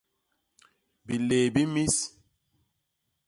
Biléé bi mis.